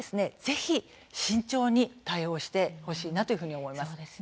ぜひ、慎重に対応してほしいなというふうに思います。